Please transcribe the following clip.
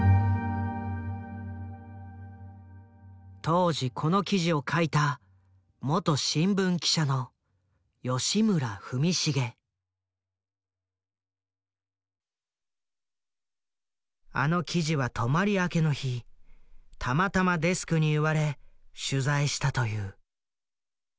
当時この記事を書いた元新聞記者のあの記事は泊まり明けの日たまたまデスクに言われ取材したという。